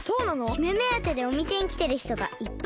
姫めあてでおみせにきてるひとがいっぱいいます。